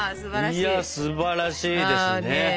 いやすばらしいですね。